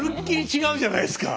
違うじゃないですか。